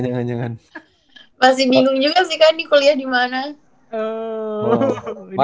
masih bingung juga sih kan kuliah dimana